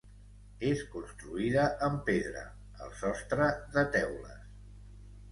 És construïda en pedra, el sostre de teules.